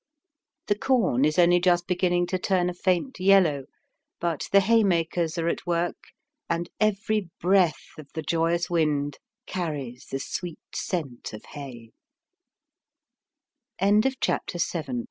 The corn is only just beginning to turn a faint yellow, but the haymakers are at work, and every breath of the joyous wind carries the sweet scent of hay. CHAPTER VIII.